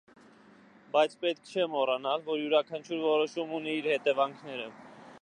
Բայց պետք չէ մոռանալ, որ յուրաքանչյուր որոշում ունի իր հետևանքները։